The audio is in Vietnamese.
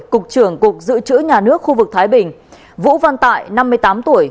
cục trưởng cục dự trữ nhà nước khu vực thái bình vũ văn tại năm mươi tám tuổi